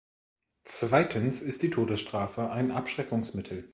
Zweitens ist die Todesstrafe ein Abschreckungsmittel.